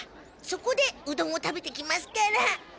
そこでうどんを食べてきますから。